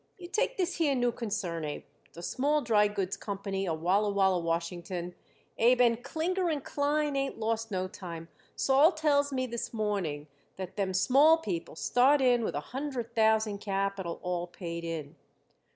You take this here new concern, Abe, the Small Drygoods Company of Walla Walla, Washington, Abe, and Klinger & Klein ain't lost no time. Sol tells me this morning that them Small people start in with a hundred thousand capital all paid in.